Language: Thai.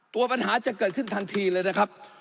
ปัญหาจะเกิดขึ้นทันทีเลยนะครับ